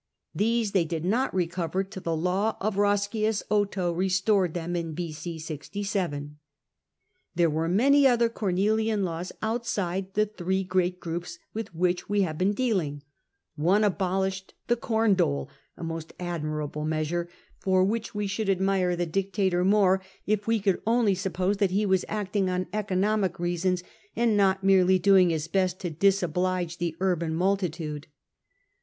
These they did not recover till the law of Roscius Otho restored them in B.c. 67. There were many other Cornelian Laws outside the three great groups with which we have been dealing One abolished the corn dole, a most admirable measure, for which we should admire the dictator more if we could only suppose that he was acting on economic reasons, and not merely doing his best to disoblige the urban multi tude.